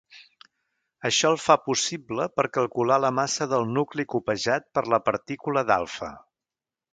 Això el fa possible per calcular la massa del nucli copejat per la partícula d'alfa.